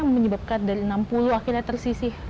menyebabkan dari enam puluh akhirnya tersisih